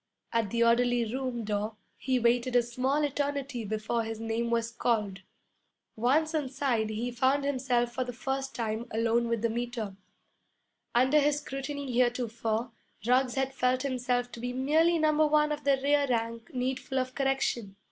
At the orderly room door he waited a small eternity before his name was called. Once inside he found himself for the first time alone with the Meter. Under his scrutiny heretofore Ruggs had felt himself to be merely number one of the rear rank needful of correction.